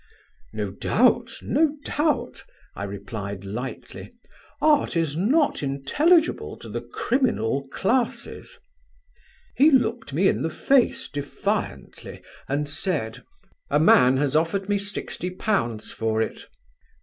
"'No doubt, no doubt,' I replied lightly; 'art is not intelligible to the criminal classes.' He looked me in the face defiantly and said: "'A man has offered me £60 for it.'